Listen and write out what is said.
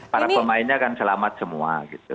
para pemainnya kan selamat semua gitu